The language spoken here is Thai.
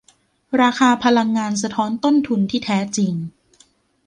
ราคาพลังงานสะท้อนต้นทุนที่แท้จริง